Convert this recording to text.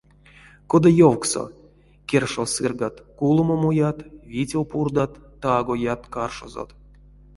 Кода ёвкссо: кершев сыргат — кулома муят, витев пурдат — таго ят каршозот.